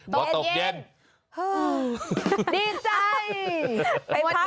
เบาะตกเย็นเดี๋ยนโอ้โฮดีใจ